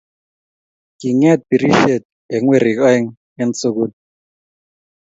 Kingeet birishet eng werik aeng eng sugul